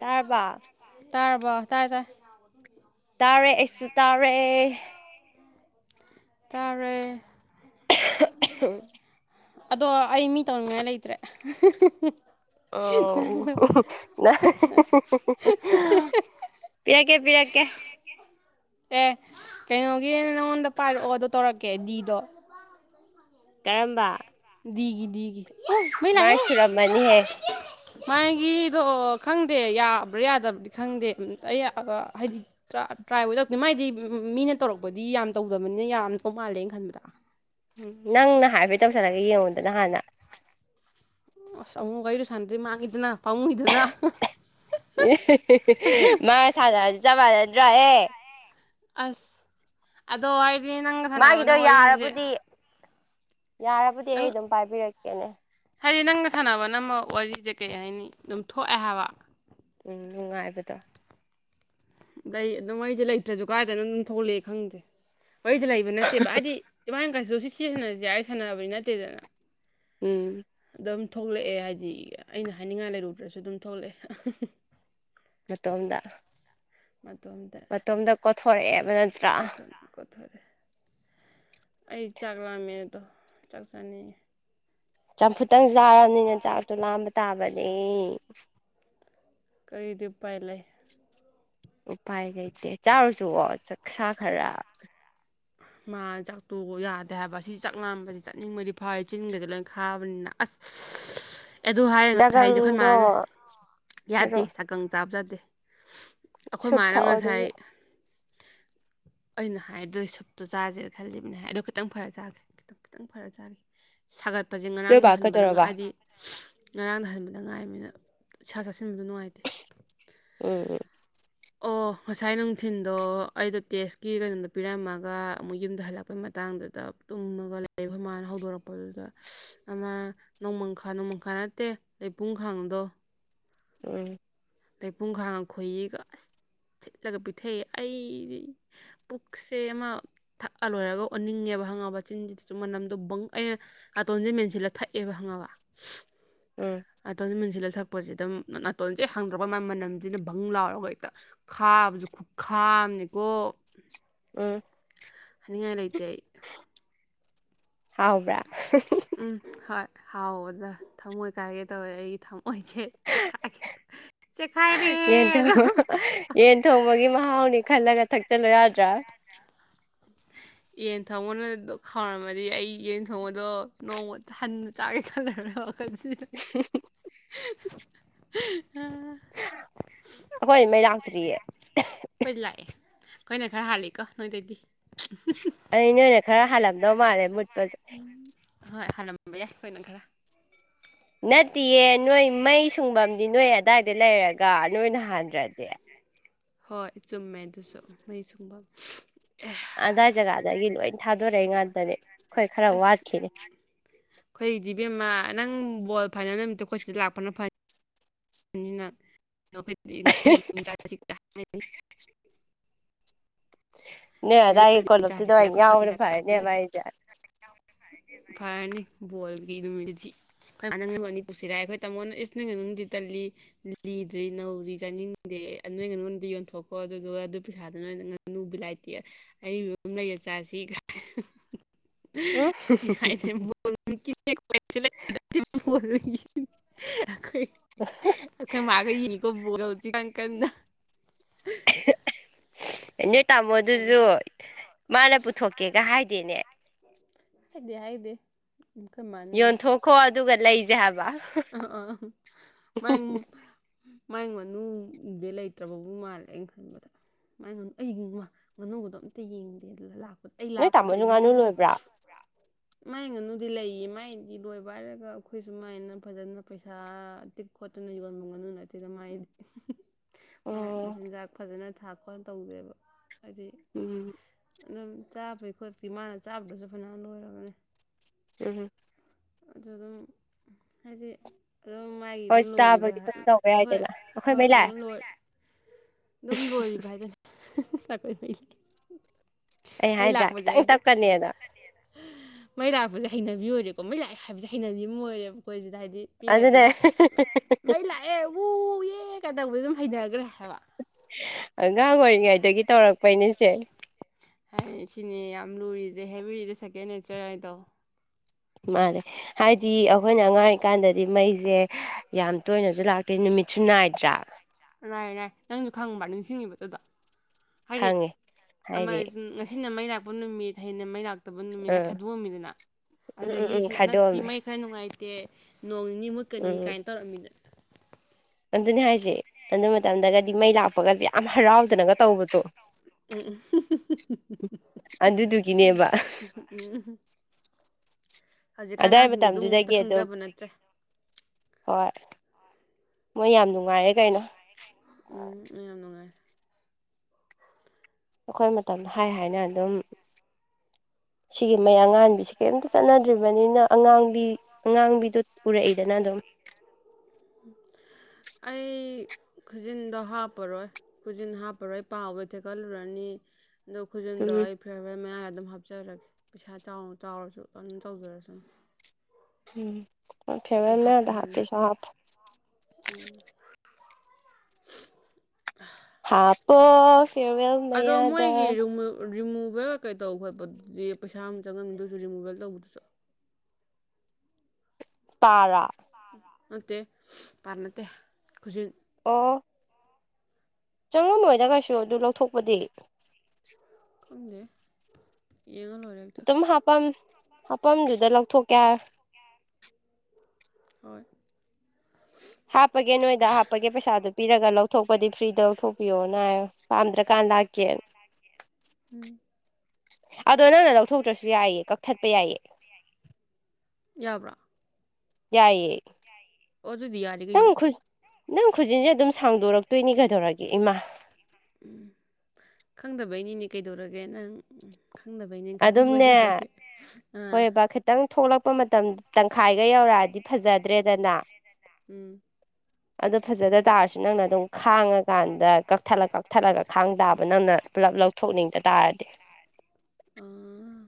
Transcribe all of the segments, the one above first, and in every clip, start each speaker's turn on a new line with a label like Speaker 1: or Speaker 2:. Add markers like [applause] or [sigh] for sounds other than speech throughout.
Speaker 1: ꯇꯔꯕꯥ
Speaker 2: ꯇꯥꯔꯕꯣ ꯇꯥꯏ ꯇꯥꯏ
Speaker 1: ꯇꯥꯔꯦ ꯑꯩꯁꯨ ꯇꯥꯔꯦ
Speaker 2: ꯇꯔꯦ
Speaker 1: ꯍ
Speaker 2: ꯑꯗꯣ ꯑꯩ ꯃꯤ ꯇꯧꯅꯤꯡꯉꯥꯏ ꯂꯩꯇ꯭ꯔꯦ
Speaker 1: ꯑꯣ
Speaker 2: ꯅꯪ
Speaker 1: ꯅ ꯄꯤꯔꯛꯀꯦ ꯄꯤꯔꯛꯀꯦ
Speaker 2: ꯑꯦ ꯀꯩꯅꯣꯒꯤ ꯅꯉꯣꯟꯗ ꯄꯥꯏꯔꯛꯑꯣꯗꯣ ꯇꯧꯔꯛꯀꯦ ꯗꯤꯗꯣ
Speaker 1: ꯀꯔꯝꯕ
Speaker 2: ꯒꯤ ꯗꯤꯒꯤ ꯃ
Speaker 1: ꯃꯥꯏ
Speaker 2: ꯂꯩꯏꯌꯦ
Speaker 1: ꯁꯨꯔꯝꯃꯅꯤꯍꯦ
Speaker 2: ꯃꯥꯥꯏꯒꯤꯗꯣ ꯈꯪꯗꯦ ꯌꯥꯕ꯭ꯔꯥ ꯌꯥꯗꯕꯗꯤ ꯈꯪꯗꯦ ꯑꯩ ꯍꯥꯏꯗꯤ ꯇ꯭ꯔꯥꯏꯕ ꯑꯣꯏꯗꯛꯇꯦ ꯃꯥꯏꯗꯤ ꯃꯤꯅ ꯇꯧꯔꯛꯄꯗꯤ ꯌꯥꯝ ꯇꯧꯗꯕꯅꯤꯅ ꯌꯥꯝꯔ ꯇꯧ ꯃꯥꯜꯂꯦꯅ ꯈꯟꯕꯗ
Speaker 1: ꯎꯝ ꯅꯪꯅ ꯍꯥꯏꯕꯩ ꯇꯧꯁꯜꯂꯒ ꯌꯦꯡꯉꯨꯗ ꯅ ꯍꯥꯟꯅ
Speaker 2: ꯑꯁ ꯑꯃꯨꯛ ꯋꯥꯔꯤꯗꯨꯣ ꯁꯥꯟꯅꯗꯔꯤ ꯃꯥꯡꯉꯤꯗꯅ ꯄꯥꯎꯉꯨꯤꯗꯅ
Speaker 1: ꯑꯦ ꯃꯥ ꯁꯥꯟꯅꯔꯁꯨ ꯆꯞ ꯃꯥꯟꯅꯗ꯭ꯔꯣꯍꯦ
Speaker 2: ꯑꯁ ꯑꯗꯣ ꯑꯩꯗꯤ ꯅꯪꯒ ꯁꯥꯟꯅꯕꯅꯦ ꯋꯥꯔꯤꯁꯦ
Speaker 1: ꯌꯥꯕꯨꯗꯤ ꯑꯩ
Speaker 2: ꯅꯪ
Speaker 1: ꯑꯗꯨꯝ ꯄꯥꯏꯕꯤꯔꯛꯀꯦꯅꯦ
Speaker 2: ꯍꯥꯏꯗꯤ ꯅꯪꯒ ꯁꯥꯟꯅꯕꯅ ꯋꯥꯔꯤꯁꯦ ꯀꯩ ꯍꯥꯏꯅꯤ ꯑꯗꯨꯝ ꯊꯣꯛꯑꯦ ꯍꯥꯏꯕ
Speaker 1: ꯎꯝ ꯅꯨꯡꯉꯥꯏꯕꯗꯣ
Speaker 2: ꯂꯩ ꯑꯗꯨꯝ ꯃꯩꯁꯦ ꯂꯩꯇ꯭ꯔꯁꯨ ꯀꯥꯏꯗꯅ ꯑꯗꯨꯝ ꯊꯣꯛꯂꯛꯑꯦ ꯈꯪꯗꯦ ꯃꯩꯁꯦ ꯂꯩꯕ ꯅꯠꯇꯦꯕ ꯍꯥꯏꯗꯤ ꯏꯃꯥꯏꯅ ꯀꯥꯏꯁꯨ ꯁꯤ ꯁꯥꯟꯅꯔꯁꯤꯦ ꯑꯩ ꯁꯥꯟꯅꯕꯅꯤ ꯅꯠꯇꯦꯗꯅ
Speaker 1: ꯎꯝ
Speaker 2: ꯑꯗꯨꯝ ꯊꯣꯛꯂꯛꯑꯦ ꯍꯥꯏꯗꯤ ꯑꯩꯅ ꯍꯥꯏꯅꯤꯡꯉꯥꯏ ꯂꯩꯔꯨꯗ꯭ꯔꯁꯨ ꯑꯗꯨꯝ ꯊꯣꯛꯂꯛꯑꯦ
Speaker 1: ꯃꯇꯣꯝꯗ ꯃꯇꯣꯝꯗ ꯀꯣꯊꯣꯔꯛꯑꯦꯕ ꯅꯠꯇ꯭ꯔꯥ
Speaker 2: ꯅ ꯐꯔꯦ ꯑꯩ ꯆꯥꯛ ꯂꯥꯛꯑꯝꯃꯦ ꯑꯗꯣ ꯆꯥꯛ ꯆꯥꯅꯤꯡꯌꯦ
Speaker 1: ꯆꯝꯐꯨꯠꯇꯪ ꯆꯥꯔꯕꯅꯤꯅ ꯆꯥꯛꯇꯣ ꯂꯥꯝꯕ ꯇꯥꯕꯅꯦ
Speaker 2: ꯀꯔꯤꯗꯤ ꯎꯄꯥꯏ ꯂꯩ
Speaker 1: ꯎꯄꯥꯏ ꯂꯩꯇꯦ ꯆꯥꯔꯨꯁꯨꯣ ꯁꯥ ꯈꯔ
Speaker 2: ꯃꯥ ꯆꯥꯛꯇꯨ ꯌꯥꯗꯦ ꯍꯥꯏꯕ ꯑꯁꯤ ꯆꯥꯛ ꯂꯥꯝꯕꯁ ꯆꯠꯅꯤꯡꯕꯗꯤ ꯐꯔꯦ ꯆꯤꯟꯒꯁꯦ ꯂꯣꯏ ꯈꯥꯕꯅꯤꯅ ꯑꯁ ꯑꯗꯨ ꯍꯥꯏꯔꯒ ꯉꯁꯥꯏꯁꯦ ꯑꯩꯈꯣꯏ
Speaker 1: ꯆꯒꯪꯗꯣ
Speaker 2: ꯃꯥꯅ
Speaker 1: ꯀꯩꯅꯣ
Speaker 2: ꯌꯥꯗꯦ ꯀꯪ ꯆꯥꯕꯖꯥꯗꯦ ꯑꯩꯈꯣꯏ
Speaker 1: ꯁꯨꯞ
Speaker 2: ꯃꯥꯅ
Speaker 1: ꯊꯛꯑꯣ
Speaker 2: ꯉꯁꯥꯏ
Speaker 1: ꯑꯗꯨꯒ
Speaker 2: ꯑꯩꯅ ꯍꯥꯏꯗꯣꯏ ꯁ ꯇꯨ ꯆꯥꯁꯦꯅ ꯈꯜꯂꯤꯕꯅꯦ ꯍꯥꯏ ꯑꯗꯣ ꯈꯤꯇꯪ ꯐꯔ ꯆꯥꯒꯦ ꯈꯤꯇꯪ ꯈꯤꯇꯪ ꯐꯔ ꯆꯥꯒꯦ ꯁꯥꯒꯠꯄ ꯄꯁꯦ
Speaker 1: ꯅꯣꯏ
Speaker 2: ꯉꯔꯥꯡꯗ
Speaker 1: ꯕꯥ
Speaker 2: ꯍꯟꯕꯗ
Speaker 1: ꯀꯩꯗꯧꯔꯕ
Speaker 2: ꯍꯥꯏꯗꯤ ꯉꯔꯥꯡ ꯅꯍꯟꯕꯗ ꯉꯥꯏꯕꯅꯤꯅ ꯁꯥ ꯆꯥꯁꯤꯟꯕꯗꯣ ꯅꯨꯡꯉꯥꯏꯇꯦ
Speaker 1: ꯎꯝ ꯎꯝ
Speaker 2: ꯑꯣ ꯉꯁꯥꯏ ꯅꯨꯡꯊꯤꯟꯗꯣ ꯑꯩꯗꯣ ꯇꯦꯁꯀꯤ ꯀꯩꯅꯣꯗꯣ ꯄꯤꯔꯝꯃꯒꯦ ꯒ ꯑꯃꯨꯛ ꯌꯨꯝꯗ ꯍꯜꯂꯛꯄꯩ ꯃꯇꯥꯡꯗꯨꯗ ꯇꯨꯝꯃꯒ ꯂꯩꯃꯥꯟꯅ ꯍꯧꯗꯣꯔꯛꯄꯗꯨꯗ ꯑꯃ ꯅꯣꯡꯃꯪꯈꯥ ꯅꯣꯡꯃꯪꯈꯥ ꯅꯠꯇꯦ ꯂꯩ ꯄꯨꯡ ꯈꯥꯡꯗꯣ
Speaker 1: ꯎꯝ
Speaker 2: ꯑꯗ ꯄꯨꯡꯈꯥꯡꯒ ꯈꯣꯏꯌꯦꯒ ꯑꯁ ꯊꯠꯂꯒ ꯄꯤꯛꯊꯩꯑ ꯑꯩꯗꯤ ꯄꯨꯛꯁꯦ ꯑꯃ ꯊꯛꯑ ꯂꯣꯏꯔꯒ ꯑꯣꯟꯅꯤꯡꯉꯦꯕ ꯍꯪꯉꯕ ꯆꯤꯟꯁꯤꯗꯁꯨ ꯃꯅꯝꯗꯣ ꯕꯪ ꯑꯩꯅ ꯀꯥꯇꯣꯟꯁꯦ ꯃꯦꯟꯁꯤꯜꯂ ꯊꯛꯑꯦꯕ ꯈꯪꯉꯕ
Speaker 1: ꯎꯝ
Speaker 2: ꯅꯥꯇꯣꯟꯁꯤ ꯃꯟꯁꯤꯜꯂꯒ ꯊꯛꯄꯁꯤꯗ ꯑꯗꯨꯝ ꯅꯥꯇꯣꯟꯁꯦ ꯍꯪꯗ꯭ꯔꯄ ꯃꯥ ꯃꯅꯝꯁꯤꯅ ꯕꯪ ꯂꯥꯎꯔꯒ ꯍꯦꯛꯇ ꯈꯥꯕꯁꯨ ꯈꯥꯝꯅꯤꯀꯣ
Speaker 1: ꯎꯝ
Speaker 2: ꯍꯥꯏꯅꯤꯡꯉꯥꯏ ꯂꯩꯇꯦ ꯑꯩ
Speaker 1: ꯍꯥꯎꯕ꯭ꯔꯥ
Speaker 2: ꯎꯝ ꯍꯣꯏ ꯍꯥꯎꯕꯗ ꯊꯝꯃꯣꯏ ꯀꯥꯏꯒꯦ ꯇꯧꯋꯦ ꯑꯩꯒꯤ ꯊꯝꯃꯣꯏꯁꯦ ꯆꯈꯥꯏ
Speaker 1: ꯌꯦꯟ
Speaker 2: ꯆꯤꯈꯥꯏꯔꯤꯦꯗ
Speaker 1: ꯊꯣꯡꯕ ꯌꯦꯟ ꯊꯣꯡꯕꯒꯤ ꯃꯍꯥꯎꯅꯤ ꯈꯜꯂꯒ ꯊꯛꯆꯜꯂꯣ ꯌꯥꯗ꯭ꯔꯥ [inaudible]
Speaker 2: ꯌꯦꯟ ꯊꯣꯡꯕꯅ ꯑꯗꯨ ꯈꯥꯎꯔꯝꯃꯗꯤ ꯑꯩ ꯌꯦꯟ ꯊꯣꯡꯕꯗꯣ ꯅꯣꯡꯃ ꯍꯟ ꯆꯥ ꯆꯂꯔ ꯋꯥꯁꯤ [unintelligible]
Speaker 1: ꯎ [unintelligible]
Speaker 2: ꯑꯥ [unintelligible]
Speaker 1: ꯑꯩꯈꯣꯏ ꯃꯩ ꯂꯥꯛꯇ꯭ꯔꯤꯌꯦ
Speaker 2: ꯑꯩꯈꯣꯏ ꯂꯥꯛꯑꯦ ꯑꯩꯈꯣꯏꯅ ꯈꯔ ꯍꯥꯂꯤꯀꯣ ꯅꯣꯏꯗꯩꯗꯤ
Speaker 1: ꯑꯩ ꯅꯣꯏꯅ ꯈꯔ ꯍꯥꯜꯂꯝꯗꯧ ꯃꯥꯜꯂꯦ ꯃꯨꯠꯄꯁꯦ
Speaker 2: ꯍꯣꯏ ꯍꯥꯜꯂꯝꯕ ꯌꯥꯏ ꯑꯩꯈꯣꯏꯅ ꯈꯔ
Speaker 1: ꯅꯠꯇꯦꯌꯦ ꯅꯣꯏ ꯃꯩ ꯁꯨꯡꯐꯝꯗꯤ ꯅꯣꯏ ꯑꯗꯥꯏꯗ ꯂꯩꯔꯒ ꯅꯣꯏꯅ ꯍꯥꯟꯊ꯭ꯔꯗꯤꯦ
Speaker 2: ꯍꯣꯏ ꯆꯨꯝꯃꯦ ꯑꯗꯨꯁꯨ ꯃꯩ ꯁꯨꯡꯐꯝ ꯑꯦ
Speaker 1: ꯑꯗꯥꯏ ꯖꯒꯥꯗꯒꯤ ꯂꯣꯏ ꯊꯥꯗꯣꯔꯛꯏ ꯉꯥꯛꯇꯅꯦ ꯑꯩꯈꯣꯏ ꯈꯔ ꯋꯥꯠꯈꯤꯅꯦ
Speaker 2: ꯑꯩꯈꯣꯏ ꯏꯗꯤꯕꯦꯝꯃ ꯅꯪ ꯕꯣꯜ ꯐꯥꯏꯅꯦꯜ ꯅꯨꯃꯤꯠꯇ ꯈꯣꯁꯤꯗ ꯂꯥꯛꯄꯅ ꯐꯩ ꯑꯩꯈꯣꯏ [unintelligible] [unintelligible]
Speaker 1: ꯅ ꯑꯗꯥ ꯑꯩ ꯀꯣꯂꯇꯗ ꯑ ꯑꯔ ꯐꯥꯏ
Speaker 2: ꯆꯥꯁꯤ
Speaker 1: ꯅꯕꯏ
Speaker 2: ꯐꯔꯅꯤ ꯕꯣꯜ ꯀꯤ ꯅꯨꯃꯤꯁꯤ ꯈ ꯅꯪ ꯑꯅꯤ ꯄꯨꯁꯤꯔꯑ ꯑꯩꯈꯣꯏ ꯇꯥꯃꯣꯅ ꯏꯁ ꯅꯉ ꯅꯨꯡꯗꯤ ꯇꯜꯂꯤ [unintelligible] ꯂꯤꯗ꯭ꯔꯤ ꯅꯧꯔꯤ ꯆꯥꯅꯤꯡꯗꯦ ꯅꯣꯏ ꯉꯥ ꯅꯉꯣꯟꯗ ꯌꯣꯟꯊꯣꯛꯀꯣ ꯑꯗꯨꯗꯨꯒ ꯑꯗꯨ ꯄꯩꯁꯥꯗ ꯅꯣꯏ ꯉꯥꯅꯨ ꯕꯤꯂꯥꯏ ꯑꯩ ꯌꯨꯝ ꯂꯩꯔ ꯆꯥꯁꯤ
Speaker 1: ꯎꯝ
Speaker 2: [unintelligible] ꯣ [unintelligible]
Speaker 1: ꯑ [unintelligible]
Speaker 2: ꯑꯩꯈꯣꯏ ꯃꯥꯒ ꯌꯦꯀꯣ ꯕꯣꯜ ꯍꯧꯖꯤꯛ ꯀ ꯀꯗ
Speaker 1: ꯅꯣꯏ ꯇꯥꯃꯣꯗꯨꯁꯨ ꯃꯥꯅ ꯄꯨꯊꯣꯛꯀꯦꯒ ꯍꯥꯏꯗꯦꯅꯦ
Speaker 2: ꯍꯥꯏꯗꯦ ꯍꯥꯏꯗꯦ ꯑꯩꯈꯣꯏ ꯃꯅ
Speaker 1: ꯌꯣꯟꯊꯣꯛꯈꯣ ꯑꯗꯨꯒ ꯂꯩꯁꯦ ꯍꯥꯏꯕ
Speaker 2: ꯑ ꯑ ꯃ ꯃꯥꯏ ꯉꯥꯅꯨꯗꯤ ꯂꯩꯇ꯭ꯔꯕꯕꯨ ꯃꯥꯜꯂꯦꯩꯅ ꯈꯟꯕꯗ ꯃꯥꯏ ꯉꯥꯅꯨ ꯑꯩ ꯉꯥꯅꯨꯧꯕꯗꯣ ꯑꯝꯇ ꯌꯦꯡꯗꯦ ꯑꯗꯨ ꯂꯥꯛꯄꯗ ꯑꯩ
Speaker 1: ꯅꯣꯏ ꯇꯥꯃꯣꯁꯨ
Speaker 2: ꯂꯥꯛꯄꯗꯒꯤ
Speaker 1: ꯉꯥꯅꯨ ꯂꯣꯏꯕ꯭ꯔꯥ
Speaker 2: ꯃꯥꯏ ꯉꯥꯅꯨꯗꯤ ꯂꯩꯌꯦ ꯃꯥꯏꯗꯤ ꯂꯣꯏꯕ ꯍꯥꯏꯔꯒ ꯑꯩꯈꯣꯏ ꯁꯨ ꯃꯥꯏꯅ ꯐꯖꯅ ꯄꯩꯁꯥ ꯇꯤꯛ ꯈꯣꯠꯇꯅ ꯌꯣꯟꯕ ꯉꯅꯨ ꯅꯠꯇꯦꯗ ꯃꯥꯏꯗꯤ ꯃꯥ
Speaker 1: ꯎꯝ
Speaker 2: ꯃꯆꯤꯟꯖꯥꯛ ꯐꯖꯅ ꯊꯥ ꯈꯣ ꯇꯧꯗꯦꯕ ꯍꯥꯏꯗꯤ
Speaker 1: ꯎꯝ
Speaker 2: ꯑꯗꯨꯝ ꯆꯥꯕꯩ ꯈꯣꯠꯄꯤ ꯃꯥꯅ ꯆꯥꯕꯗꯨꯁꯨ ꯐꯖꯅ ꯂꯣꯏꯔꯕꯅꯦ
Speaker 1: ꯎꯝ
Speaker 2: ꯑꯗꯨ ꯑꯗꯨꯝ ꯍꯥꯏꯗꯤ ꯑꯗꯨꯝ ꯃꯥꯒꯤ
Speaker 1: ꯍꯣꯏ
Speaker 2: ꯑꯗꯨꯝ ꯂꯣꯏꯔꯤꯕ
Speaker 1: ꯆꯥꯕꯒꯤ ꯁꯨꯝ ꯇꯧꯕ
Speaker 2: ꯍꯣꯏ
Speaker 1: ꯌꯥꯏꯗꯅ ꯑꯩꯈꯣꯏ
Speaker 2: ꯍꯣꯏ
Speaker 1: ꯃꯩ
Speaker 2: ꯑꯗꯨꯝ
Speaker 1: ꯂꯥꯛꯑꯦ
Speaker 2: ꯂꯣꯏ ꯑꯗꯨꯝ ꯂꯣꯏꯔꯤꯕ ꯍꯥꯏꯗꯅꯈꯣꯏ
Speaker 1: ꯑꯩ
Speaker 2: ꯃꯩ ꯂꯥꯛꯥꯛ
Speaker 1: ꯍꯥꯏꯗ꯭ꯔꯥ
Speaker 2: ꯃꯖꯦ
Speaker 1: ꯈꯤꯇꯪ
Speaker 2: ꯌꯥꯗꯦ
Speaker 1: ꯇꯞꯀꯅꯦꯅ
Speaker 2: ꯃꯩ ꯂꯥꯛꯄꯁꯦ ꯍꯩꯅꯕꯤ ꯑꯣꯏꯔꯦꯀꯣ ꯃꯩ ꯂꯥꯛꯑꯦ ꯍꯥꯏꯕꯁꯦ ꯍꯩꯅꯕꯤ ꯑꯃ ꯑꯣꯏꯔꯦꯕ ꯑꯩꯈꯣꯏ ꯁꯤꯗ ꯍꯥꯏꯗꯤ
Speaker 1: ꯑꯗꯨ ꯑꯗꯨꯅꯦ
Speaker 2: ꯄꯤꯛꯏꯉꯩꯗꯒꯤ ꯃꯩ ꯂꯥꯛꯑꯦ ꯎꯌꯦ ꯀꯩꯗꯧꯕꯗ ꯑꯗꯨꯝ ꯍꯩꯅꯈ꯭ꯔꯦ ꯍꯥꯏꯕ
Speaker 1: ꯑꯉꯥꯡ ꯑꯣꯏꯔꯤꯉꯩꯗꯒꯤ ꯇꯧꯔꯛꯄꯩꯅꯦꯁꯦ
Speaker 2: ꯍꯥꯏ ꯁꯤꯅꯤ ꯌꯥꯝ ꯂꯨꯔꯤꯁꯦ ꯍꯦꯕꯤꯔꯤꯁꯦ ꯁꯦꯀꯦꯟ ꯅꯦꯆꯔ ꯍꯥꯏꯗꯣ
Speaker 1: ꯃꯥꯂꯦ ꯍꯥꯏꯗꯤ ꯑꯩꯈꯣꯏꯅꯉꯥꯡꯔꯤꯀꯥꯟꯗꯗꯤ ꯃꯩꯁꯦ ꯌꯥꯝ ꯇꯣꯏꯅꯁꯨ ꯂꯥꯛꯇꯣꯏ ꯅꯨꯃꯤꯠꯁꯨ ꯅꯥꯏꯗ꯭ꯔꯥ
Speaker 2: ꯔꯥꯏ ꯔꯔꯥꯏ ꯅꯪꯁꯨ ꯈꯪꯕ ꯅꯤꯡꯁꯤꯡꯉꯤꯕꯗꯨꯗꯣ ꯍꯥꯏꯗꯤ
Speaker 1: ꯈꯪꯉꯦ
Speaker 2: ꯑꯃ
Speaker 1: ꯍꯥꯏꯗꯤ
Speaker 2: ꯉꯁꯤꯅ ꯃꯩ ꯂꯥꯛꯄ ꯅꯨꯃꯤꯠ ꯍꯅ ꯃꯩꯔꯥꯛ ꯐꯠꯇꯕ ꯅꯨꯃꯤꯠꯅ
Speaker 1: ꯑꯥ
Speaker 2: ꯈꯥꯏꯗꯣꯛꯑꯝꯃꯤꯗꯅ
Speaker 1: ꯎꯝ ꯎꯝ
Speaker 2: ꯑꯗꯨꯗꯒꯤ
Speaker 1: ꯎꯝ
Speaker 2: ꯍꯟꯗꯛꯇꯤ
Speaker 1: ꯈꯥꯏꯗꯣꯛꯑꯝꯃꯦ
Speaker 2: ꯃꯩ ꯈꯔ ꯅꯨꯡꯉꯥꯏꯇ ꯗꯦ ꯅꯣꯡ ꯅꯤꯅꯤ ꯃꯨꯠꯀꯅꯤ ꯀꯥꯏꯅ ꯇꯧꯔꯝꯃꯤꯅ
Speaker 1: ꯑꯗꯨꯅꯤ ꯍꯥꯏꯁꯦ ꯑꯗꯨ ꯃꯇꯝꯗꯒꯗꯤ ꯃꯩ ꯂꯥꯛꯄꯒꯗꯤ ꯌꯥꯝ ꯍꯔꯥꯎꯗꯅꯒ ꯇꯧꯕꯗꯣ ꯎ ꯑꯗꯨꯗꯨꯒꯤꯅꯦꯕ
Speaker 2: ꯎꯝ ꯍꯧꯖꯤꯛꯀ
Speaker 1: ꯑꯗꯥꯏ
Speaker 2: ꯑꯉꯥꯡꯁꯤꯡꯁꯦ ꯑꯗꯨꯝ
Speaker 1: ꯃꯇꯝꯗꯨꯗꯒꯤ
Speaker 2: ꯑꯃꯨꯛꯇ
Speaker 1: ꯑꯗꯨꯝ
Speaker 2: ꯈꯪꯖꯕ ꯅꯠꯇ꯭ꯔꯦ
Speaker 1: ꯍꯣꯏ ꯃꯣꯏ ꯌꯥꯝ ꯅꯨꯡꯉꯥꯏꯔꯦ ꯀꯩꯅꯣ
Speaker 2: ꯎꯝ ꯌꯥꯝ ꯅꯨꯡꯉꯥꯏ
Speaker 1: ꯑꯩꯈꯣꯏ ꯃꯇꯝꯗ ꯍꯥꯏ ꯍꯥꯏꯅ ꯑꯗꯨꯝ ꯁꯤꯒꯤ ꯃꯩ ꯑꯉꯥꯟꯕꯤꯁꯤ ꯀꯔꯤꯝꯇ ꯆꯠꯅꯗ꯭ꯔꯤꯕꯅꯤꯅ ꯑꯉꯥꯡꯕꯤ ꯑꯉꯥꯡꯕꯤꯗꯣ ꯎꯔꯛꯏꯗꯅ ꯑꯗꯨꯝ
Speaker 2: ꯑꯩ ꯈꯨꯖꯤꯟꯗꯣ ꯍꯥꯞꯄꯔꯣꯏ ꯈꯨꯖꯤꯟ ꯍꯥꯞꯄꯔꯣꯏ ꯄꯥꯎꯕꯩ ꯊꯦꯛꯀꯠꯂꯨꯔꯅꯤ
Speaker 1: ꯎꯝ
Speaker 2: ꯂꯈꯣꯖꯗꯏ ꯐꯤꯌꯕꯦꯜ ꯃꯌꯥꯝꯗ ꯑꯗꯨꯝ ꯍꯥꯞꯆꯔꯒꯦ ꯄꯩꯁꯥ ꯆꯥꯎꯅ ꯆꯥꯎꯔꯁꯨ ꯑꯗꯨ ꯇꯧꯖꯔꯁꯨ ꯑꯗꯨ
Speaker 1: ꯎꯝ
Speaker 2: ꯑꯩ
Speaker 1: ꯐꯦꯔꯋꯦꯜ
Speaker 2: ꯍꯥꯞꯇꯤ
Speaker 1: ꯃꯌꯥꯗ
Speaker 2: ꯍꯥꯞꯅꯤ
Speaker 1: ꯍꯥꯞꯀꯦꯁꯨ ꯍꯥꯞꯄꯣ
Speaker 2: ꯎꯝ
Speaker 1: ꯍꯥꯄꯣ ꯐꯤꯦꯔꯋꯦꯜ
Speaker 2: ꯑꯗꯣ
Speaker 1: ꯃꯌꯥꯗ
Speaker 2: ꯃꯣꯏꯒꯤ ꯔꯤꯃꯨꯚꯦꯜ ꯀꯩ ꯇꯧꯕ ꯈꯣꯠꯄꯗꯨꯗꯤ ꯄꯩꯁꯥ ꯑꯃ ꯆꯪꯉꯝꯃꯤꯗꯣꯏꯁꯨ ꯔꯤꯃꯨꯚꯦꯜ ꯇꯧꯕꯗꯨꯁꯨ
Speaker 1: ꯇꯔꯥ
Speaker 2: ꯅꯠꯇꯦ ꯄꯥꯔ ꯅꯠꯇꯦ ꯈꯨꯖꯤ
Speaker 1: ꯑꯣ ꯆꯪꯉꯝꯃꯣꯏꯗ ꯀꯩꯁꯨ ꯑꯗꯨ ꯂꯧꯊꯣꯛꯄꯗꯤ
Speaker 2: ꯈꯪꯗꯦ ꯌꯦꯡꯉ ꯂꯣꯏꯔꯦ ꯍꯦꯛꯇ
Speaker 1: ꯑꯗꯨꯝ ꯍꯥꯐꯝ ꯍꯥꯐꯝꯗꯨꯗ ꯂꯧꯊꯣꯛꯀꯦꯔ
Speaker 2: ꯍꯣꯏ
Speaker 1: ꯍꯥꯞꯄꯒꯦ ꯅꯣꯏꯗ ꯍꯥꯞꯄꯒꯦ ꯄꯩꯁꯥꯗꯨꯣ ꯄꯤꯔꯒ ꯂꯧꯊꯣꯛꯄꯗꯤ ꯐ꯭ꯔꯤꯗ ꯂꯧꯊꯣꯛꯄꯤꯌꯣꯅ ꯍꯥꯏ ꯄꯥꯝꯗ꯭ꯔꯀꯥꯟꯗ ꯂꯥꯛꯀꯦꯅ
Speaker 2: ꯦꯝ
Speaker 1: ꯑꯗꯣ ꯅꯪꯅ ꯂꯧꯊꯣꯛꯇ꯭ꯔꯁꯨ ꯌꯥꯏꯌꯦ ꯀꯛꯊꯠꯄ ꯌꯥꯏꯌꯦ
Speaker 2: ꯌꯥꯕ꯭ꯔꯥ
Speaker 1: ꯌꯥꯏꯌꯦ
Speaker 2: ꯍꯖꯣ ꯌꯥꯜꯂꯤꯒꯩꯅꯨ
Speaker 1: ꯅꯪ ꯈꯨꯠ ꯅꯪ ꯈꯨꯖꯤꯟꯁꯦ ꯑꯗꯨꯝ ꯁꯥꯡꯗꯣꯔꯛꯇꯣꯏꯅꯤ ꯀꯩꯗꯧꯔꯒꯦ ꯏꯃꯥ
Speaker 2: ꯎꯝ ꯈꯪꯗꯕꯩꯅꯤꯅꯦ ꯀꯩꯗꯧꯔꯒꯦ ꯅꯪ ꯎꯝ ꯈꯪꯗꯥꯕꯏꯅ ꯈꯥꯡꯨꯕꯗꯔ꯭ꯔꯈ
Speaker 1: ꯍꯣꯏ ꯕꯕꯥ ꯈꯤꯇꯪ ꯊꯣꯛꯂꯛꯄ ꯃꯇꯝ ꯇꯪꯈꯥꯏꯒ ꯌꯧꯔꯛꯑꯗꯤ ꯐꯖꯗ꯭ꯔꯦꯗꯅ
Speaker 2: ꯎꯝ
Speaker 1: ꯑꯗꯨꯗꯣ ꯐꯖꯗ ꯇꯥꯔꯁꯨ ꯅꯪꯅ ꯑꯗꯨꯝ ꯈꯥꯡꯉꯀꯥꯟꯗ ꯀꯛꯊꯠꯂ ꯀꯛꯊꯠꯂꯒ ꯈꯥꯡ ꯇꯥꯕ ꯅꯪꯅ ꯄꯨꯜꯂꯞ ꯂꯧꯊꯣꯛꯅꯤꯡꯗ ꯇꯥꯔꯗꯤ
Speaker 2: ꯑꯥ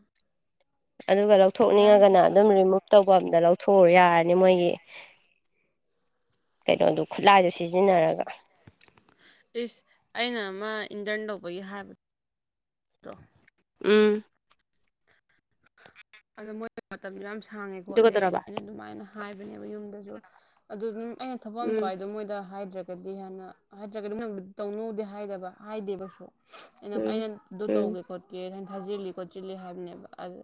Speaker 1: ꯑꯗꯨꯒ ꯂꯧꯊꯣꯛꯅꯤꯡꯉꯒꯅ
Speaker 2: ꯑꯗꯨꯁꯨ
Speaker 1: ꯑꯗꯨꯝ ꯔꯤꯃꯨꯚ ꯇꯧꯕ ꯑꯝꯗ ꯂꯧꯊꯣꯛꯎ ꯌꯥꯔꯅꯤ ꯃꯣꯏꯒꯤ ꯀꯩꯅꯣꯗꯨ ꯈꯨꯠꯂꯥꯏꯗꯨꯣ ꯁꯤꯖꯤꯟꯅꯔꯒ
Speaker 2: ꯏꯁ ꯑꯩꯅ ꯑꯃ ꯏꯟꯇꯔꯟ ꯇꯧꯕꯒꯤ ꯍꯥꯏꯕꯅꯦꯥ
Speaker 1: ꯎꯝ
Speaker 2: ꯑꯗꯣ ꯃꯣꯏꯗ ꯃꯇꯝꯁꯨ ꯌꯥꯝ ꯁꯥꯡꯉꯦ ꯈꯣꯠꯂꯦ
Speaker 1: ꯑꯗꯨꯒꯗꯧꯔꯕ
Speaker 2: ꯑꯩꯅ ꯑꯗꯨꯃꯥꯏꯅ ꯍꯥꯏꯕꯅꯦꯕ ꯌꯨꯝꯗꯁꯨ ꯑꯗꯨ ꯑꯗꯨꯝ ꯑꯩꯅ ꯊꯕꯛ ꯑ
Speaker 1: ꯎꯝ
Speaker 2: ꯆꯋꯥꯏꯗꯣ ꯃꯣꯏꯗ ꯍꯥꯏꯗ꯭ꯔꯦ ꯗꯤ ꯍꯥꯟꯅ ꯍꯥꯏꯗ꯭ꯔꯒꯗꯤ ꯇꯧꯅꯧꯗꯦ ꯍꯥꯏꯗꯕ ꯍꯥꯏꯗꯦꯕꯁꯨ ꯑꯩꯅ
Speaker 1: ꯎꯝ
Speaker 2: ꯑꯩꯅ ꯑꯗꯨ
Speaker 1: ꯎꯝ
Speaker 2: ꯇꯧꯒꯦ ꯈꯣꯠꯀꯦ ꯑꯩꯅ ꯊꯥꯖꯤꯜꯂꯤ ꯈꯣꯠꯆꯤꯜꯂꯤ ꯍꯥꯏꯕꯅꯦꯕ ꯑꯗꯨ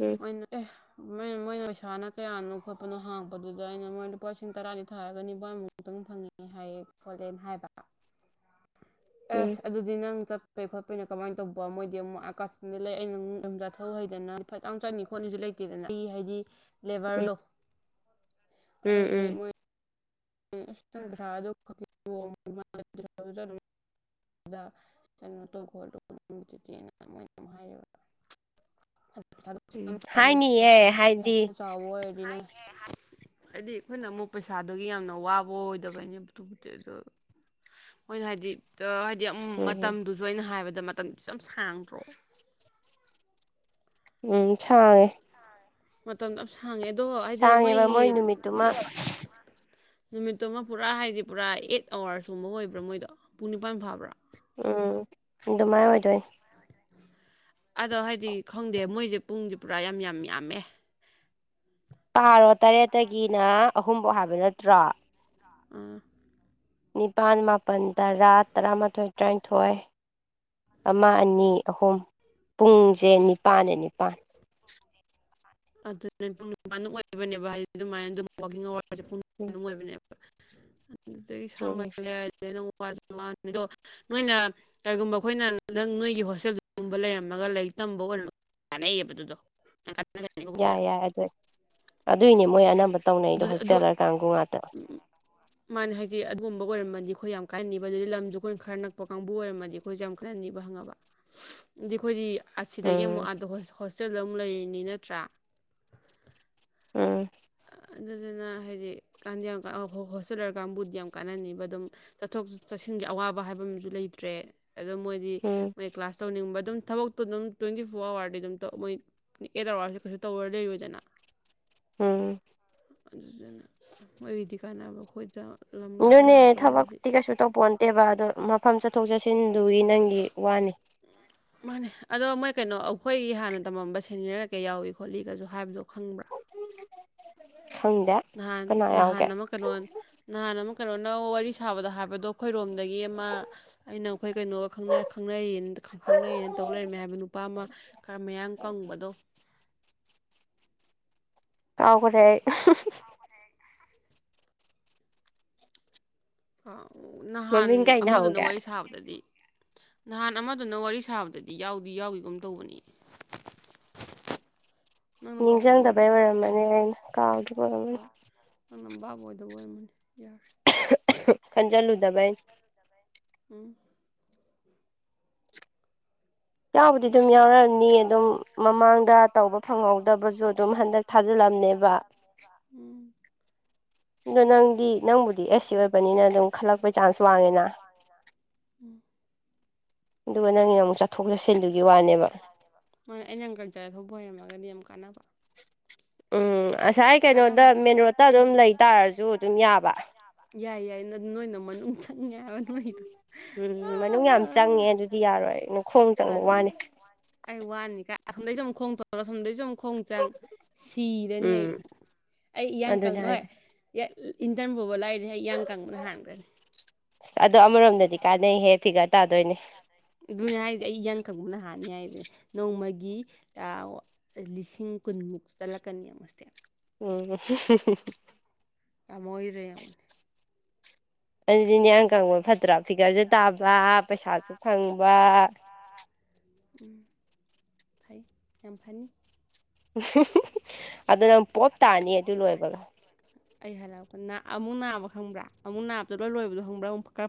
Speaker 1: ꯎꯝ
Speaker 2: ꯑꯣꯏꯣꯏ ꯃꯣꯏꯅ ꯄꯩꯁꯥꯅ ꯀꯌꯥꯅꯣ ꯈꯣꯠꯄꯅꯣ ꯍꯥꯡꯕꯗꯨꯗ ꯑꯩꯅ ꯃꯣꯏ ꯂꯨꯄꯥ ꯂꯤꯁꯤꯡ ꯇꯔꯥꯅꯤ ꯊꯥꯔꯒ ꯅꯤꯄꯥꯃꯨ ꯑꯃꯨꯛꯇꯪ ꯐꯪꯉꯤ ꯍꯥꯏꯌꯦ ꯀꯣꯂꯦꯟ ꯍꯥꯏꯕ
Speaker 1: [unintelligible] ꯎꯝ
Speaker 2: ꯑꯁ ꯑꯗꯨꯗꯤ ꯅꯪ ꯆꯞꯄ ꯩ ꯈꯣꯠꯄꯅ ꯀꯃꯥꯏꯅ ꯇꯧꯕꯣ ꯃꯣꯏꯗꯤ ꯑꯃꯨꯛ ꯑꯀꯅ ꯂꯩ ꯑꯩꯅ ꯧ ꯍꯩꯗꯅ ꯏꯐꯠꯇ ꯆꯪꯅꯤ ꯈꯣꯠꯅꯤꯁꯨ ꯂꯩꯇꯦꯗꯅ ꯑꯩ ꯍꯥꯏꯗꯤ ꯂꯦꯕꯔꯗꯣ ꯑ
Speaker 1: ꯎꯝ ꯎꯝ
Speaker 2: ꯃꯣꯏ ꯭ꯔꯥ ꯑꯗꯨ ꯀꯩꯅꯣ ꯇꯧꯈ ꯇꯧꯕ ꯆꯦꯅ ꯃꯣꯏꯅ ꯍꯥꯏ ꯌꯥꯝ
Speaker 1: ꯎꯝ
Speaker 2: ꯆꯥꯎꯕ ꯅꯠꯇꯦ
Speaker 1: ꯍꯥꯏꯅꯤꯌꯦ
Speaker 2: ꯄꯩ
Speaker 1: ꯍꯥꯏꯗꯤ
Speaker 2: ꯌꯥꯝ ꯆꯥꯎꯕ ꯑꯣꯏꯔꯤꯅꯦ ꯍꯥꯏꯗꯤ ꯑꯩꯈꯣꯏꯅ ꯑꯃꯨꯛ ꯄꯩꯁꯥꯗꯨꯒꯤ ꯌꯥꯝꯅ ꯋꯥꯕ ꯑꯣꯏꯗꯕꯩꯅꯦ ꯄꯨꯄꯤ ꯑꯗꯨꯗ ꯃꯣꯏꯅ ꯍꯥꯏꯗꯤ ꯍꯥꯏꯗꯤ
Speaker 1: ꯎꯝ
Speaker 2: ꯃꯇꯝꯗꯨꯁꯨ ꯑꯩꯅ ꯍꯥꯏꯕꯗ ꯃꯇꯝꯗꯨꯁꯨ ꯌꯥꯝ ꯁꯥꯡꯗ꯭ꯔꯣ
Speaker 1: ꯎꯝ ꯁꯥꯡꯉꯦ
Speaker 2: ꯃꯇꯝꯗ ꯌꯥꯝ ꯁꯥꯡꯉꯦ ꯑꯗꯣ ꯍꯥꯏꯗꯤ
Speaker 1: ꯁꯥꯡꯉꯦꯕ
Speaker 2: ꯃꯣꯏꯒꯤ
Speaker 1: ꯃꯣꯏ ꯅꯨꯃꯤꯠꯇꯨꯃ [unintelligible]
Speaker 2: ꯅꯨꯃꯤꯠꯇꯨꯃ ꯄꯨꯔꯥ ꯍꯥꯏꯗꯤ ꯄꯨꯔꯥ ꯑꯩꯠ ꯑꯋꯥꯔꯁꯀꯨꯝꯕ ꯑꯣꯏꯕ꯭ꯔꯥ ꯃꯣꯏꯗꯣ ꯄꯨꯡ ꯅꯤꯄꯥꯟ ꯐꯥꯕ꯭ꯔꯥ
Speaker 1: ꯎꯝ ꯑꯗꯨꯃꯥꯏꯅ ꯑꯣꯏꯗꯣꯏꯅꯤ
Speaker 2: ꯑꯗꯣ ꯍꯥꯏꯗꯤ ꯈꯪꯗꯦ ꯃꯣꯏꯁꯦ ꯄꯨꯡꯁꯦ ꯄꯨꯔꯥ ꯌꯥꯝ ꯌꯥꯝ ꯌꯥꯝꯃꯦ
Speaker 1: ꯀꯥꯔꯣ ꯇꯔꯦꯠꯇꯒꯤꯅ ꯑꯍꯨꯝꯐꯧ ꯍꯥꯏꯕ ꯅꯠꯇ꯭ꯔꯣ
Speaker 2: ꯑꯥ
Speaker 1: ꯅꯤꯄꯥꯜ ꯃꯥꯄꯜ ꯇꯔꯥ ꯇꯔꯥꯃꯥꯊꯣꯏ ꯇꯔꯥꯅꯤꯊꯣꯏ ꯑꯃ ꯑꯅꯤ ꯑꯍꯨꯝ ꯄꯨꯡꯁꯦ ꯅꯤꯄꯥꯜꯅ ꯅꯤꯄꯥꯜ
Speaker 2: ꯑꯗꯨ ꯄꯨꯡ ꯅꯤꯄꯥꯥꯟꯨꯛ ꯑꯣꯏꯕꯅꯦꯕ ꯍꯥꯏꯗꯤ ꯑꯗꯨꯃꯥꯏꯅ ꯑꯗꯨꯝ ꯑꯋꯥꯔ
Speaker 1: ꯎꯝ
Speaker 2: ꯑꯗꯨꯗꯒꯤ ꯁꯥꯡ
Speaker 1: ꯎꯝ
Speaker 2: ꯍꯥꯏꯔ ꯅ ꯋꯥꯗꯣ ꯅꯣꯏꯅ ꯀꯩꯒꯨꯝꯕ ꯑꯩꯈꯣꯏꯅꯗꯪ ꯅꯣꯏꯒꯤ ꯍꯣꯁꯇꯦꯜꯒꯨꯝꯕ ꯂꯩꯔꯝꯃꯒ ꯂꯥꯏꯔꯤꯛ ꯇꯝꯕ ꯑꯣꯏꯔꯝ ꯅꯌꯦꯗꯨꯗ
Speaker 1: ꯌꯥꯏ ꯌꯥꯏ ꯑꯗꯨ ꯑꯗꯨꯏꯅꯦ ꯃꯣꯏ ꯑꯅꯝꯕꯗ
Speaker 2: ꯑꯗꯨꯗꯤ ꯑꯗꯨ ꯎꯝ ꯃꯥꯅꯦ ꯍꯥꯏꯁꯦ ꯑꯗꯨꯒꯨꯝꯕ ꯑꯣꯏꯔꯃꯗꯤ ꯑꯩꯈꯣꯏ ꯌꯥꯝ ꯀꯥꯏꯍꯟꯅꯤꯕ ꯑꯗꯨꯗꯤ ꯂꯝꯁꯨ ꯑꯩꯈꯣꯏꯅ ꯈꯔ ꯅꯛꯄ ꯀꯥꯡꯕꯨ ꯑꯣꯏꯔꯃꯗꯤ ꯑꯩꯈꯣꯏꯁꯦ ꯌꯥꯝ ꯀꯟꯅ ꯅꯤꯕ ꯍꯪꯉꯕ ꯑꯗꯤ ꯑꯩꯈꯣꯏꯗꯤ ꯑꯁꯤꯗꯒꯤ ꯑꯃꯨꯛ
Speaker 1: ꯎꯝ
Speaker 2: ꯑ ꯍꯣꯁꯇꯦꯜꯗ ꯑꯃꯨꯛ ꯂꯩꯔꯤꯅꯤ ꯅꯠꯇ꯭ꯔꯥ
Speaker 1: ꯑ
Speaker 2: ꯑꯗꯨꯗꯨꯅ ꯍꯥꯏꯗꯤꯀꯥꯟꯗꯤ ꯌꯥꯝ ꯍꯣꯁꯇꯦꯜ ꯑꯣꯏꯔꯀ ꯀꯥꯡꯕꯨꯗꯤ ꯌꯥꯝ ꯀꯥꯟꯅꯅꯤꯕ ꯑꯗꯨꯝ ꯆꯠꯊꯣꯛ ꯆꯠꯁꯤꯟꯒꯤ ꯑꯋꯥꯕ ꯍꯥꯏꯕ ꯑꯃꯁꯨ ꯂꯩꯇ꯭ꯔꯦ ꯑꯗꯣ ꯃꯣꯏꯗꯤ
Speaker 1: ꯎꯝ
Speaker 2: ꯃꯣꯏ ꯀ꯭ꯂꯥꯁ ꯇꯧꯅꯤꯡꯕ ꯑꯗꯨꯝ ꯊꯕꯛꯇꯣ ꯑꯗꯨꯝ ꯇ꯭ꯋꯦꯟꯇꯤ ꯐꯣꯔ ꯑꯋꯥꯔꯗꯤ ꯑꯗꯨꯝ ꯃꯣꯏ ꯑꯦꯠ ꯑꯋꯥꯔꯁꯨ ꯀꯩꯁꯨ ꯇꯧꯔ ꯂꯩꯔꯣꯏꯗꯅ
Speaker 1: ꯎꯝ
Speaker 2: ꯑꯗꯨꯗꯨꯅ ꯃꯣꯏꯒꯤꯗꯤ ꯀꯥꯟꯅꯕ ꯈꯣꯣꯏꯠꯇ
Speaker 1: ꯅꯣꯏꯅꯦ ꯊꯕꯛꯇꯤ ꯀꯩꯁꯨ ꯇꯧꯕ ꯑꯦꯕ ꯑꯗꯣ ꯃꯐꯝ ꯆꯠꯊꯣꯛ ꯆꯠꯁꯤꯟꯗꯨꯒꯤ ꯅꯪꯒꯤ ꯋꯥꯅꯤ
Speaker 2: ꯃꯥꯅꯦ ꯑꯗꯣ ꯃꯣꯏ ꯀꯩꯅꯣ ꯑꯩꯈꯣꯏꯒꯤ ꯍꯥꯟꯅ ꯇꯝꯃꯝꯕ ꯁꯦꯅꯤꯌꯔ ꯀꯩ ꯀꯩ ꯌꯥꯎꯏ ꯈꯣꯠꯂꯤꯒꯁꯨ ꯍꯥꯏꯕꯗꯣ ꯈꯪꯕ꯭ꯔꯥ
Speaker 1: ꯍꯪꯗ
Speaker 2: ꯅꯍꯥꯟ ꯅꯍꯥꯟ ꯑꯃꯃꯛ ꯀꯩꯅꯣ ꯅꯍꯥꯟ ꯑꯃ ꯀꯩꯅꯣꯅ ꯋꯥꯔꯤ ꯁꯥꯕꯗ ꯍꯥꯏꯕꯗꯣ ꯈꯣꯏꯔꯣꯝꯗꯒꯤ ꯑꯃ ꯑꯩꯅ ꯑꯩꯈꯣꯏ ꯀꯩꯅꯣꯒ ꯈꯪꯅꯩꯌꯦ ꯈꯪꯅꯩꯌꯦꯅ ꯇꯧ ꯂꯩꯔꯝꯃꯦ ꯍꯥꯏꯕ ꯅꯨꯄꯥ ꯑꯃ ꯈꯔ ꯃꯌꯥ ꯀꯪꯕꯗꯣ
Speaker 1: ꯀꯥꯎꯈꯔꯦ
Speaker 2: ꯑꯥꯎ ꯀꯁꯦ ꯅꯍꯥꯟ
Speaker 1: ꯃꯃꯤꯡ ꯀꯩ
Speaker 2: ꯑꯃꯗꯨꯅ
Speaker 1: ꯅꯥꯎꯒꯦ
Speaker 2: ꯋꯥꯔꯤ ꯁ ꯁꯥꯕꯗꯗꯤ ꯅꯍꯥꯟ ꯑꯃꯗꯨꯅ ꯋꯥꯔꯤ ꯁꯥꯕꯗꯗꯤ ꯌꯥꯎꯗꯤ ꯌꯥꯎꯏꯒꯨꯝ ꯇꯧꯕꯅꯤ ꯅꯪꯅ ꯀꯥꯎꯕ
Speaker 1: ꯅꯤꯡꯖꯪꯗꯕꯩ ꯑꯣꯏꯔꯝꯃꯅꯤ ꯑꯩꯅ ꯀꯥꯎꯈꯤꯕ ꯑꯃ
Speaker 2: ꯅꯪꯅ ꯕꯥꯕ ꯑꯣꯏꯗꯕ ꯑꯣꯏꯔꯝꯃꯅꯤ ꯌꯥꯔꯦ
Speaker 1: ꯈꯟꯖꯜꯂꯨꯗꯕꯩꯅꯦ
Speaker 2: ꯎꯝ
Speaker 1: ꯆꯥꯕꯨꯗꯤ ꯑꯗꯨꯝ ꯌꯥꯎꯔꯛꯅꯤ ꯑꯗꯨꯝ ꯃꯃꯥꯡꯗ ꯇꯧꯕ ꯐꯪꯍꯧꯗꯕꯁꯨ ꯑꯗꯨꯝ ꯍꯟꯗꯛ ꯊꯥꯖꯤꯜꯂꯝꯅꯦꯕ
Speaker 2: ꯎꯝ
Speaker 1: ꯑꯗꯣ ꯅꯪꯗꯤ ꯅꯪꯕꯨꯗꯤ ꯑꯦꯁ ꯁꯤ ꯑꯣꯏꯕꯅꯤꯅ ꯑꯗꯨꯝ ꯈꯜꯂꯛꯄꯩ ꯆꯥꯟꯁꯨ ꯋꯥꯡꯉꯤꯅ
Speaker 2: ꯎꯝ
Speaker 1: ꯑꯗꯨꯒ ꯅꯪꯒꯤꯅ ꯑꯃꯨꯛ ꯆꯠꯊꯣꯛ ꯆꯠꯁꯤꯟꯗꯨꯒꯤ ꯋꯥꯅꯦꯕ
Speaker 2: ꯑꯩꯅꯪ ꯀꯜꯆꯔ ꯊꯧꯕ ꯑꯣꯏꯔꯝꯃꯒꯗꯤ ꯌꯥꯝ ꯀꯥꯟꯅꯕ
Speaker 1: ꯎꯝ ꯑꯁꯥꯏ ꯀꯩꯅꯣꯗ
Speaker 2: ꯀꯥꯟꯅꯕ
Speaker 1: ꯃꯦꯟ ꯔꯣꯇ ꯑꯗꯨꯝ ꯂꯩ ꯇꯥꯔꯁꯨ ꯑꯗꯨꯝ ꯌꯥꯕ
Speaker 2: ꯌꯥꯏ ꯌꯥꯏ ꯅꯣꯏꯅ ꯃꯅꯨꯡ ꯆꯪꯉꯦ ꯍꯥꯏꯕ ꯅꯣꯏꯗꯣ
Speaker 1: ꯎꯝ ꯃꯅꯨꯡ ꯌꯥꯝ ꯆꯪꯉꯦ ꯑꯗꯨꯗꯤ ꯌꯥꯔꯣꯏꯅꯦ
Speaker 2: ꯑꯗꯨꯅ ꯑꯩ ꯋꯥꯅꯤ ꯀꯥꯏ ꯑꯁꫭꯝꯗꯩꯁꯨꯨꯛ ꯈꯣꯡꯇꯣꯛ ꯁꯣꯝꯗꯩꯁꯨ ꯑꯃꯨꯛ ꯈꯣꯡ ꯆꯪ ꯁꯤꯔꯅꯤ ꯑꯩ
Speaker 1: ꯎꯝ
Speaker 2: ꯑꯩ ꯏꯌꯥꯡ ꯀꯪ
Speaker 1: ꯑꯗꯨꯅꯦ
Speaker 2: ꯍꯣꯏ
Speaker 1: ꯍꯥꯏꯁꯦ
Speaker 2: ꯌꯥ ꯏꯟꯇꯔꯟ ꯄꯨꯕ ꯂꯥꯛꯏꯅꯦ ꯍꯦꯛ ꯏꯌꯥꯡ ꯀꯪꯕꯅ ꯍꯥꯟꯈ꯭ꯔꯅꯤ
Speaker 1: ꯑꯗꯣ ꯑꯃꯔꯣꯝꯗꯗꯤ ꯀꯥꯟꯅꯩꯍꯦ ꯐꯤꯒꯔ ꯇꯥꯗꯣꯏꯅꯦ
Speaker 2: ꯑꯗꯨꯅꯦ ꯍꯥꯏꯔꯤꯁꯦ ꯑꯩ ꯏꯌꯥꯡ ꯀꯪꯕꯅ ꯍꯥꯟꯅꯤ ꯍꯥꯏꯁꯦ ꯅꯣꯡꯃꯒꯤ ꯂꯤꯁꯤꯡ ꯀꯨꯟꯃꯨꯛ ꯆꯠꯂꯛꯀꯅꯦꯕ ꯏꯁꯇꯦꯞ
Speaker 1: ꯎꯝ
Speaker 2: ꯑꯃꯃꯣ ꯍꯏꯔꯦꯎꯅꯤ [unintelligible]
Speaker 1: ꯑꯗꯨꯗꯤ ꯅꯤꯌꯥꯡ ꯀꯪꯕ ꯐꯠꯇ꯭ꯔꯥ ꯐꯤꯒꯔꯁꯨ ꯇꯥꯕ ꯄꯩꯁꯥꯁꯨ ꯐꯪꯕ
Speaker 2: ꯎꯝ ꯐꯩ ꯌꯥꯝ ꯐꯅꯤ
Speaker 1: ꯑꯗꯨꯅꯪ ꯄꯣꯞ ꯇꯥꯅꯤ ꯑꯗꯨ ꯂꯣꯏꯕꯒ
Speaker 2: ꯑꯩ ꯍꯜꯂꯛꯄ ꯑꯃꯨꯛꯅꯥꯕ ꯈꯪꯕ꯭ꯔꯥ ꯑꯃꯨꯛ ꯅꯥꯕꯗ ꯂꯣꯏ ꯂꯣꯏꯕꯗ ꯈꯪꯕꯔꯥ ꯈꯔ